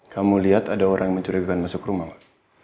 kamu lihat ada orang mencurigakan masuk rumah pak